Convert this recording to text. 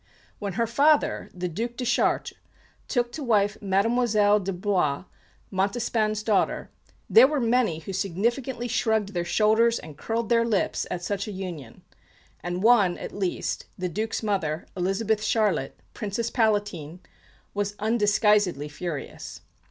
When her father, the Duc de Chartres, took to wife Mademoiselle de Blois, Montespan's daughter, there were many who significantly shrugged their shoulders and curled their lips at such a union; and one at least, the Duc's mother, Elizabeth Charlotte, Princess Palatine, was undisguisedly furious.